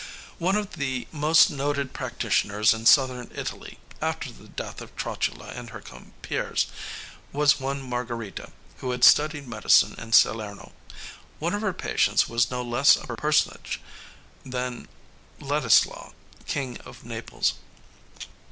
One of the most noted practitioners in Southern Italy, after the death of Trotula and her compeers, was one Margarita, who had studied medicine in Salerno. One of her patients was no less a personage than Ladislaus, King of Naples.